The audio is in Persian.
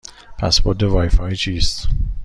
پسورد وای فای چیست؟